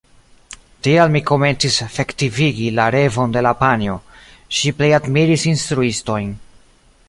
Tial mi komencis efektivigi la revon de la panjo: ŝi plej admiris instruistojn.